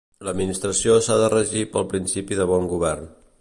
L'Administració s'ha de regir pel principi de bon govern.